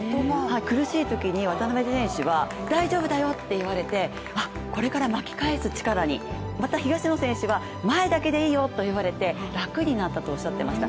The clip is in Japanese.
苦しいときに渡辺選手は、大丈夫だよって言われて、これから巻き返す力に、東野選手は前だけでいいよと言われて楽になったとおっしゃっていました。